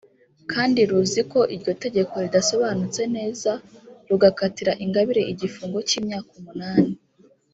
kandi ruzi ko iryo tegeko ridasobanutse neza rugakatira Ingabire igifungo cy’imyaka umunani